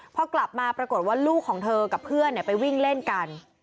พอกลับมาปรากฏว่าลูกของเธอกับเพื่อนไปวิ่งเล่นกัน